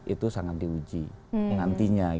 itu sangat diuji nantinya